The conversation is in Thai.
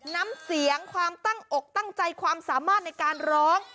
น้ำเสียงความตั้งอกตั้งใจความสามารถในการร้อง